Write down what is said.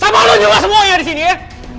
sama lo juga semuanya disini ya